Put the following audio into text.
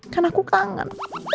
kan aku kangen